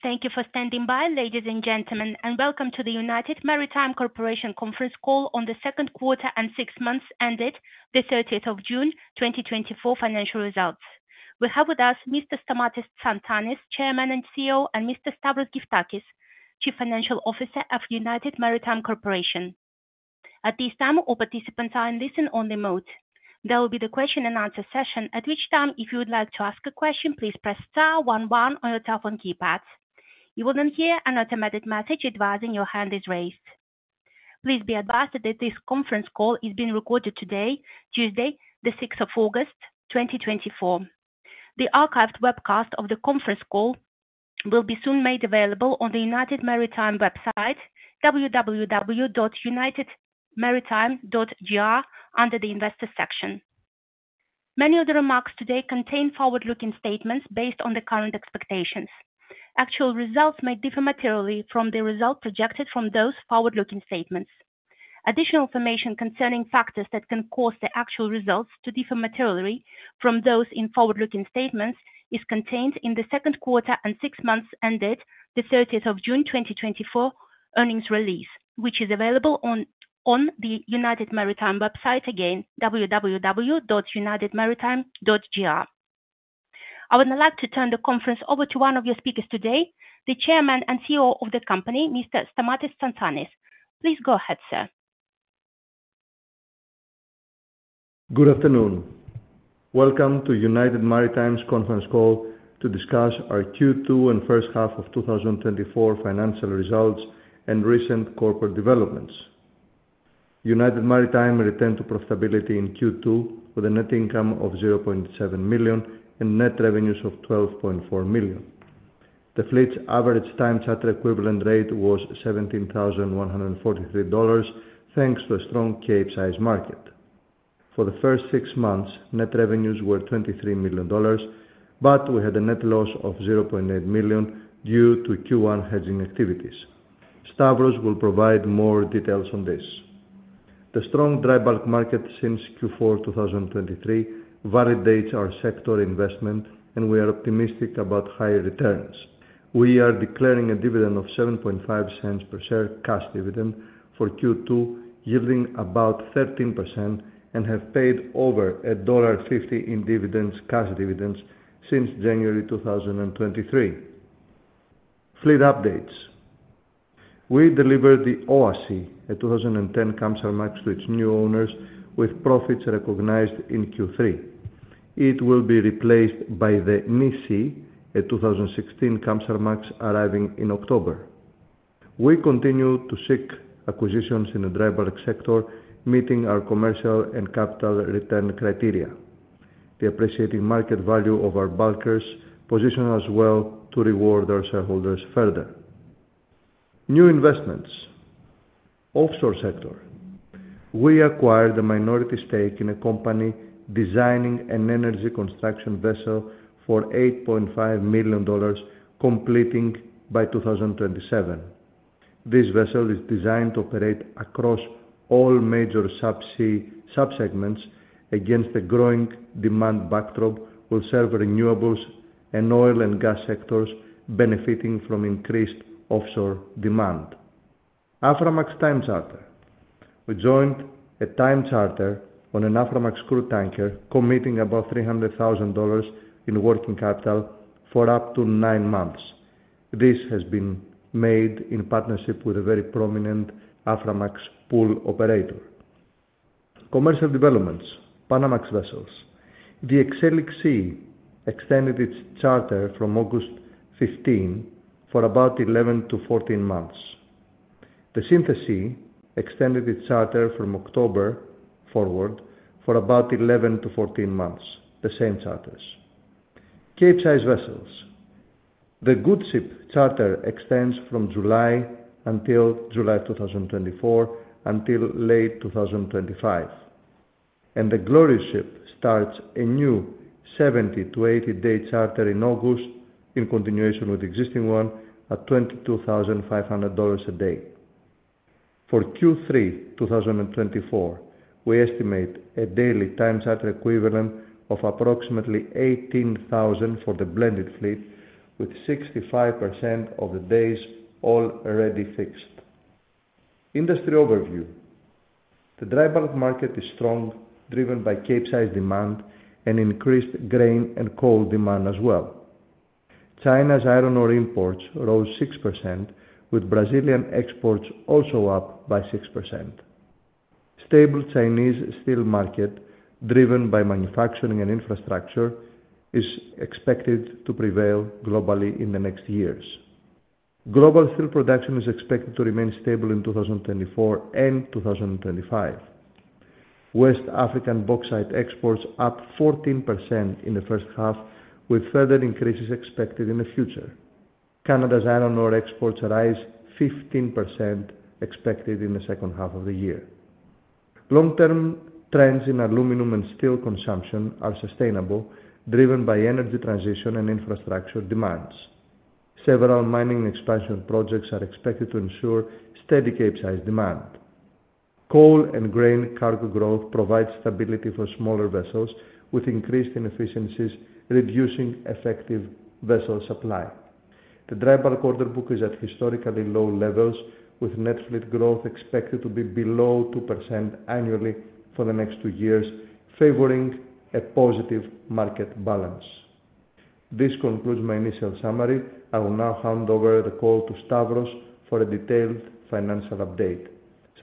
Thank you for standing by, ladies and gentlemen, and welcome to the United Maritime Corporation Conference Call on the second quarter and six months ended June 30, 2024 financial results. We have with us Mr. Stamatios Tsantanis, Chairman and CEO, and Mr. Stavros Gyftakis, Chief Financial Officer of United Maritime Corporation. At this time, all participants are in listen-only mode. There will be the question-and-answer session, at which time, if you would like to ask a question, please press star one one on your telephone keypad. You will then hear an automatic message advising your hand is raised. Please be advised that this conference call is being recorded today, Tuesday, August 6, 2024. The archived webcast of the conference call will be soon made available on the United Maritime website, www.unitedmaritime.gr, under the investor section. Many of the remarks today contain forward-looking statements based on the current expectations. Actual results may differ materially from the results projected from those forward-looking statements. Additional information concerning factors that can cause the actual results to differ materially from those in forward-looking statements is contained in the second quarter and six months ended the thirtieth of June 2024 earnings release, which is available on the United Maritime website, again, www.unitedmaritime.gr. I would now like to turn the conference over to one of your speakers today, the Chairman and CEO of the company, Mr. Stamatios Tsantanis. Please go ahead, sir. Good afternoon. Welcome to United Maritime's conference call to discuss our Q2 and first half of 2024 financial results and recent corporate developments. United Maritime returned to profitability in Q2 with a net income of $0.7 million and net revenues of $12.4 million. The fleet's average time charter equivalent rate was $17,143, thanks to a strong Capesize market. For the first six months, net revenues were $23 million, but we had a net loss of $0.8 million due to Q1 hedging activities. Stavros will provide more details on this. The strong dry bulk market since Q4 2023 validates our sector investment, and we are optimistic about higher returns. We are declaring a dividend of $0.075 per share cash dividend for Q2, yielding about 13%, and have paid over $1.50 in dividends, cash dividends since January 2023. Fleet updates. We delivered the Oasi, a 2010 Kamsarmax, to its new owners, with profits recognized in Q3. It will be replaced by the Nisi, a 2016 Kamsarmax, arriving in October. We continue to seek acquisitions in the dry bulk sector, meeting our commercial and capital return criteria. The appreciating market value of our bulkers position us well to reward our shareholders further. New investments. Offshore sector. We acquired a minority stake in a company designing an energy construction vessel for $8.5 million, completing by 2027. This vessel is designed to operate across all major subsea subsegments against a growing demand backdrop, will serve renewables and oil and gas sectors benefiting from increased offshore demand. Aframax time charter. We joined a time charter on an Aframax crude tanker, committing about $300,000 in working capital for up to nine months. This has been made in partnership with a very prominent Aframax pool operator. Commercial developments, Panamax vessels. The Exelixsea extended its charter from August 15 for about 11-14 months. The Synthesea extended its charter from October forward for about 11-14 months, the same charters. Capesize vessels. The Goodship charter extends from July until July 2024 until late 2025, and the Gloriusship starts a new 70-80-day charter in August in continuation with the existing one at $22,500 a day. For Q3 2024, we estimate a daily time charter equivalent of approximately 18,000 for the blended fleet, with 65% of the days already fixed. Industry overview. The dry bulk market is strong, driven by Capesize demand and increased grain and coal demand as well. China's iron ore imports rose 6%, with Brazilian exports also up by 6%. Stable Chinese steel market, driven by manufacturing and infrastructure, is expected to prevail globally in the next years. Global steel production is expected to remain stable in 2024 and 2025. West African bauxite exports up 14% in the first half, with further increases expected in the future. Canada's iron ore exports rise 15%, expected in the second half of the year. Long-term trends in aluminum and steel consumption are sustainable, driven by energy transition and infrastructure demands. Several mining expansion projects are expected to ensure steady Capesize demand.... Coal and grain cargo growth provides stability for smaller vessels with increased inefficiencies, reducing effective vessel supply. The dry bulk order book is at historically low levels, with net fleet growth expected to be below 2% annually for the next two years, favoring a positive market balance. This concludes my initial summary. I will now hand over the call to Stavros for a detailed financial update.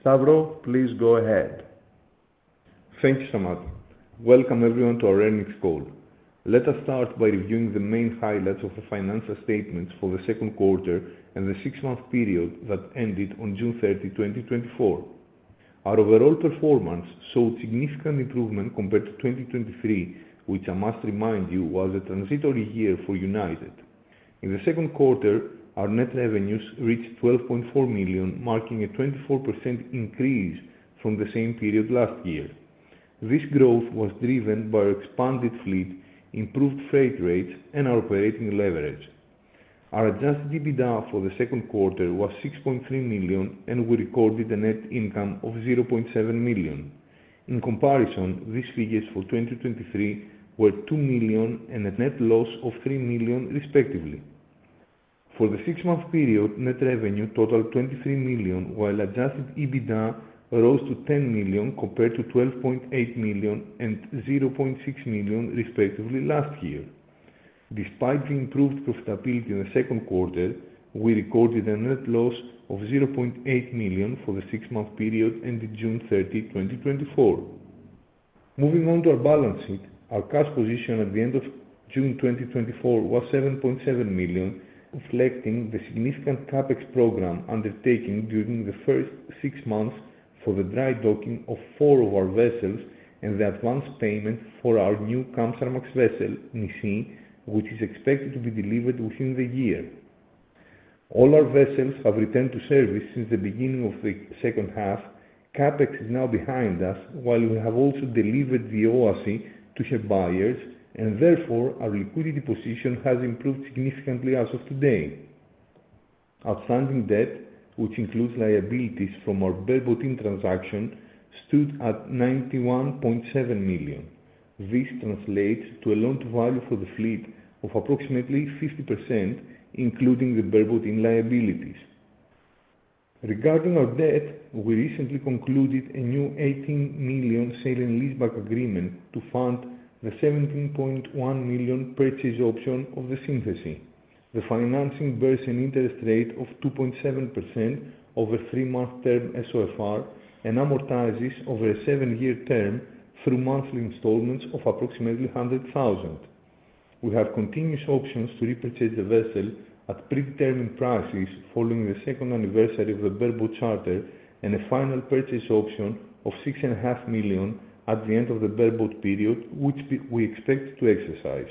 Stavros, please go ahead. Thank you, Stamatios. Welcome everyone to our earnings call. Let us start by reviewing the main highlights of the financial statements for the second quarter and the six-month period that ended on June 30, 2024. Our overall performance showed significant improvement compared to 2023, which I must remind you, was a transitory year for United. In the second quarter, our net revenues reached $12.4 million, marking a 24% increase from the same period last year. This growth was driven by our expanded fleet, improved freight rates, and our operating leverage. Our Adjusted EBITDA for the second quarter was $6.3 million, and we recorded a net income of $0.7 million. In comparison, these figures for 2023 were $2 million and a net loss of $3 million respectively. For the six-month period, net revenue totaled $23 million, while Adjusted EBITDA rose to $10 million, compared to $12.8 million and $0.6 million respectively last year. Despite the improved profitability in the second quarter, we recorded a net loss of $0.8 million for the six-month period ending June 30, 2024. Moving on to our balance sheet, our cash position at the end of June 2024 was $7.7 million, reflecting the significant CapEx program undertaking during the first six months for the dry docking of four of our vessels and the advance payment for our new Kamsarmax vessel, NISI, which is expected to be delivered within the year. All our vessels have returned to service since the beginning of the second half. CapEx is now behind us, while we have also delivered the Oasi to her buyers, and therefore, our liquidity position has improved significantly as of today. Outstanding debt, which includes liabilities from our bareboat transaction, stood at $91.7 million. This translates to a loan-to-value for the fleet of approximately 50%, including the bareboat in liabilities. Regarding our debt, we recently concluded a new $18 million sale and leaseback agreement to fund the $17.1 million purchase option of the Synthesea. The financing bears an interest rate of 2.7% over three-month term SOFR and amortizes over a seven-year term through monthly installments of approximately $100,000. We have continuous options to repurchase the vessel at predetermined prices following the second anniversary of the bareboat charter and a final purchase option of $6.5 million at the end of the bareboat period, which we expect to exercise.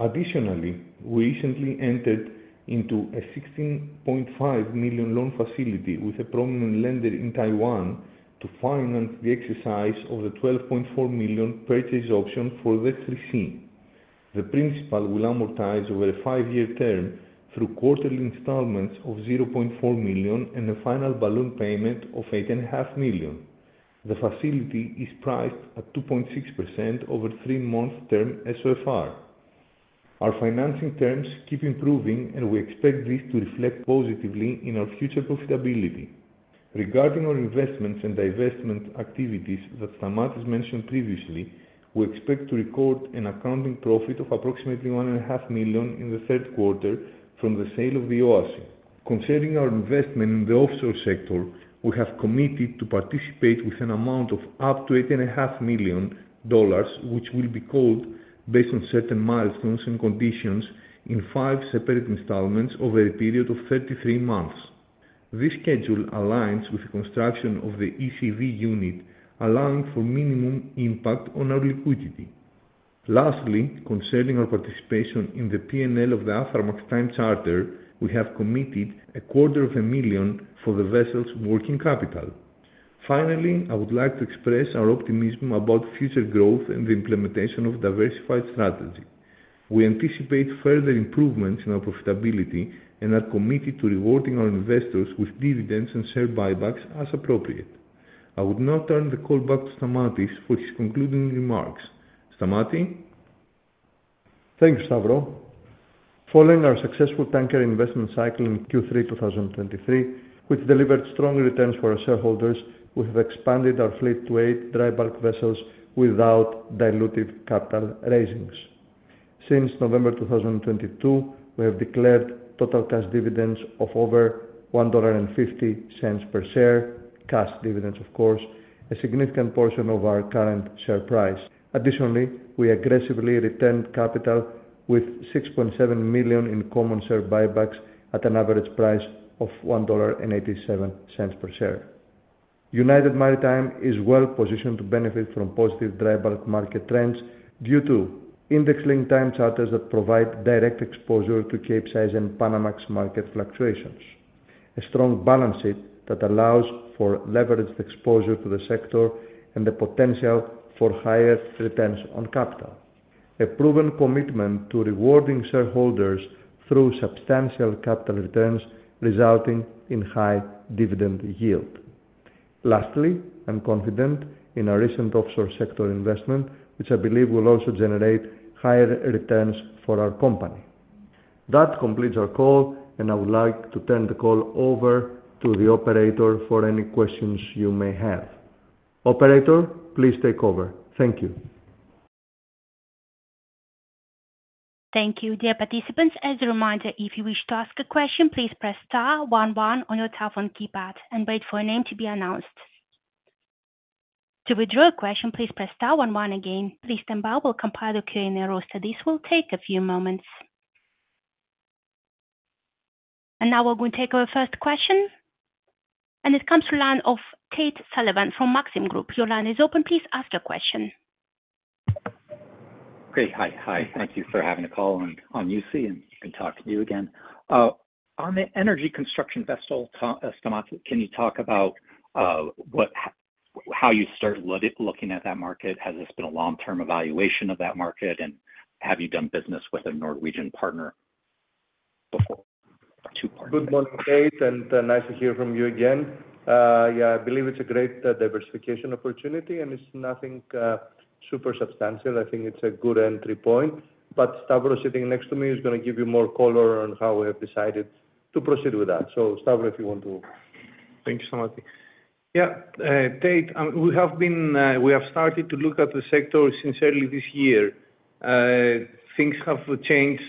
Additionally, we recently entered into a $16.5 million loan facility with a prominent lender in Taiwan to finance the exercise of the $12.4 million purchase option for the Chryssi. The principal will amortize over a five-year term through quarterly installments of $0.4 million and a final balloon payment of $8.5 million. The facility is priced at 2.6% over three-month term SOFR. Our financing terms keep improving, and we expect this to reflect positively in our future profitability. Regarding our investments and divestment activities that Stamatis mentioned previously, we expect to record an accounting profit of approximately $1.5 million in the third quarter from the sale of the Oasi. Concerning our investment in the offshore sector, we have committed to participate with an amount of up to $8.5 million, which will be called based on certain milestones and conditions in five separate installments over a period of 33 months. This schedule aligns with the construction of the ECV unit, allowing for minimum impact on our liquidity. Lastly, concerning our participation in the P&L of the Aframax time charter, we have committed $250,000 for the vessel's working capital. Finally, I would like to express our optimism about future growth and the implementation of diversified strategy. We anticipate further improvements in our profitability and are committed to rewarding our investors with dividends and share buybacks as appropriate. I would now turn the call back to Stamatis for his concluding remarks. Stamatios? Thanks, Stavros. Following our successful tanker investment cycle in Q3 2023, which delivered strong returns for our shareholders, we have expanded our fleet to eight dry bulk vessels without diluted capital raisings. Since November 2022, we have declared total cash dividends of over $1.50 per share, cash dividends, of course, a significant portion of our current share price. Additionally, we aggressively returned capital with $6.7 million in common share buybacks at an average price of $1.87 per share. United Maritime is well positioned to benefit from positive dry bulk market trends due to index-linked time charters that provide direct exposure to Capesize and Panamax market fluctuations, a strong balance sheet that allows for leveraged exposure to the sector and the potential for higher returns on capital.... A proven commitment to rewarding shareholders through substantial capital returns, resulting in high dividend yield. Lastly, I'm confident in our recent offshore sector investment, which I believe will also generate higher returns for our company. That completes our call, and I would like to turn the call over to the operator for any questions you may have. Operator, please take over. Thank you. Thank you. Dear participants, as a reminder, if you wish to ask a question, please press star one one on your telephone keypad and wait for your name to be announced. To withdraw a question, please press star one one again. Please stand by, we'll compile the Q&A roster. This will take a few moments. And now we're going to take our first question, and it comes from the line of Tate Sullivan from Maxim Group. Your line is open. Please ask your question. Great. Hi. Hi, thank you for having the call on USEA, and good to talk to you again. On the energy construction vessel topic, Stamatis, can you talk about how you started looking at that market? Has this been a long-term evaluation of that market, and have you done business with a Norwegian partner before, or two partners? Good morning, Tate, and nice to hear from you again. Yeah, I believe it's a great diversification opportunity, and it's nothing super substantial. I think it's a good entry point, but Stavros sitting next to me is gonna give you more color on how we have decided to proceed with that. So, Stavros, if you want to. Thank you so much. Yeah, Tate, we have been, we have started to look at the sector since early this year. Things have changed,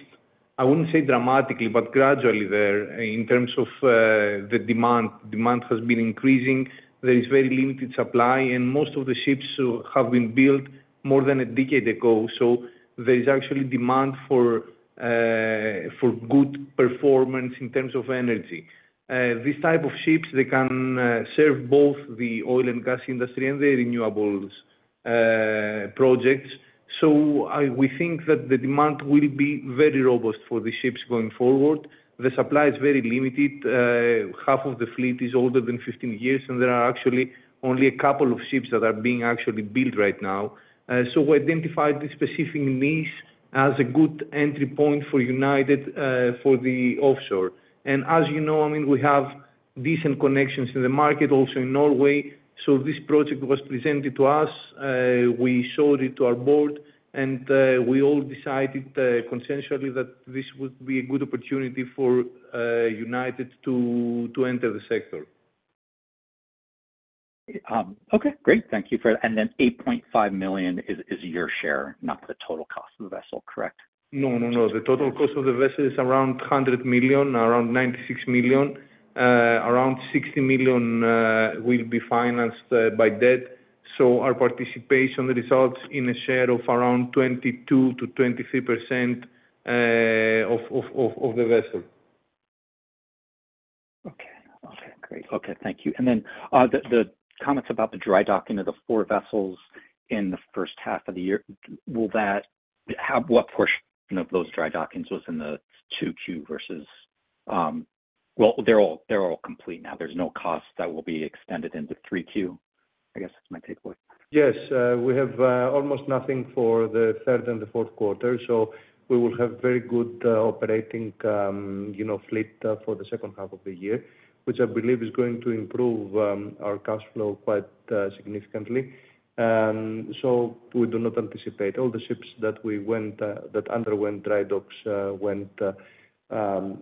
I wouldn't say dramatically, but gradually there in terms of the demand. Demand has been increasing. There is very limited supply, and most of the ships have been built more than a decade ago. So there is actually demand for good performance in terms of energy. These type of ships, they can serve both the oil and gas industry and the renewables projects. So we think that the demand will be very robust for the ships going forward. The supply is very limited. Half of the fleet is older than 15 years, and there are actually only a couple of ships that are being built right now. So we identified this specific niche as a good entry point for United for the offshore. And as you know, I mean, we have decent connections in the market, also in Norway. So this project was presented to us, we showed it to our board, and we all decided consensually that this would be a good opportunity for United to enter the sector. Okay, great. Thank you for that. And then $8.5 million is your share, not the total cost of the vessel, correct? No, no, no. The total cost of the vessel is around $100 million, around $96 million. Around $60 million will be financed by debt. So our participation results in a share of around 22%-23% of the vessel. Okay. Okay, great. Okay, thank you. And then, the comments about the dry docking of the four vessels in the first half of the year, what portion of those dry dockings was in the 2Q versus... Well, they're all complete now. There's no cost that will be extended into 3Q, I guess is my takeaway. Yes, we have almost nothing for the third and the fourth quarter, so we will have very good operating, you know, fleet for the second half of the year, which I believe is going to improve our cash flow quite significantly. So we do not anticipate all the ships that underwent dry docks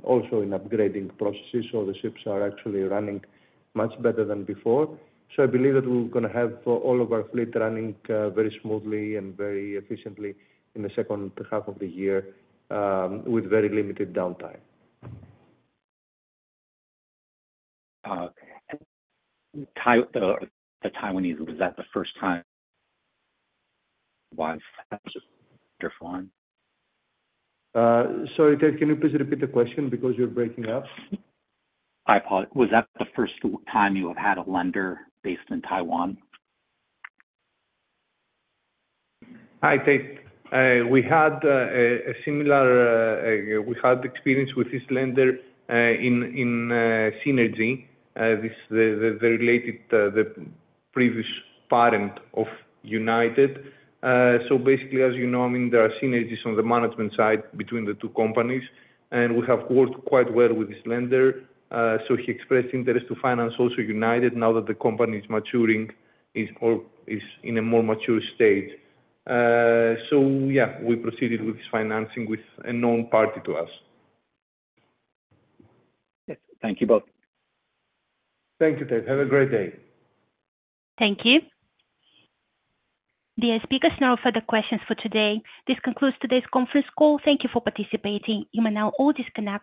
also in upgrading processes, so the ships are actually running much better than before. So I believe that we're gonna have all of our fleet running very smoothly and very efficiently in the second half of the year with very limited downtime. And the Taiwanese, was that the first time while...? Sorry, Tate, can you please repeat the question because you're breaking up? Was that the first time you have had a lender based in Taiwan? Hi, Tate. We had a similar, we had experience with this lender in Seanergy, this the, the, the related, the previous parent of United. So basically, as you know, I mean, there are synergies on the management side between the two companies, and we have worked quite well with this lender. So he expressed interest to finance also United, now that the company is maturing, is or, is in a more mature state. So yeah, we proceeded with this financing with a known party to us. Thank you both. Thank you, Tate. Have a great day. Thank you. The speakers now further questions for today. This concludes today's conference call. Thank you for participating. You may now all disconnect.